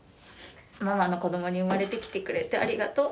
ママの子供に生まれてきてくれてありがとう。